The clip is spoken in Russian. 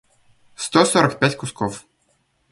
сто сорок пять кусков